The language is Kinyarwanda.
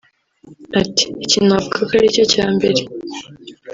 Ati “Iki navuga ko ari cyo cya mbere